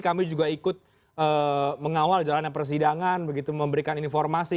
kami juga ikut mengawal jalannya persidangan begitu memberikan informasi